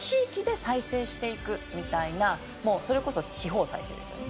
みたいなもうそれこそ地方再生ですよね。